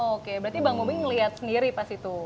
oke berarti bang bobi ngeliat sendiri pas itu